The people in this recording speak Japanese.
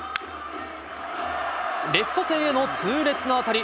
レフト線への痛烈な当たり。